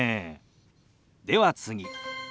では次。